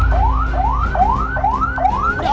bawa dia ke sana